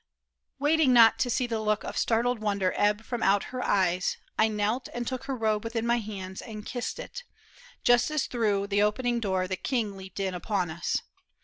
Waiting not to see the look Of startled wonder ebb from out her eyes, I knelt and took her robe within my hands And kissed it, just as through the opening door, The king leaped in upon us.